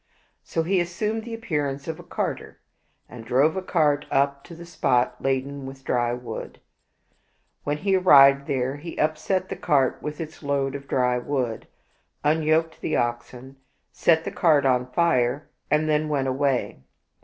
So he assumed the appearance of a carter, and drove a cart up to the spot laden with dry wood. When he arrived there, he upset the cart with its load of dry wood, unyoked the oxen, set the cart on fire, and then went away.